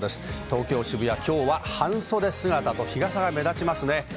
東京・渋谷、今日は半袖姿、日傘が目立ちますね。